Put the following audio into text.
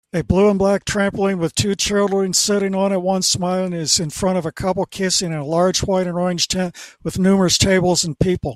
A blue and black trampoline with two children sitting on it one smiling is in front of a couple kissing and a large white and orange tent with numerous tables and people